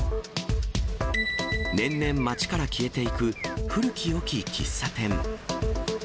年々街から消えていく古きよき喫茶店。